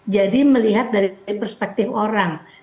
jadi melihat dari perspektif orang